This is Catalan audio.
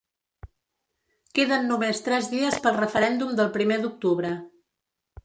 Queden només tres dies pel referèndum del primer d’octubre.